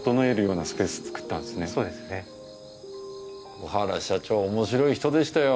小原社長おもしろい人でしたよ。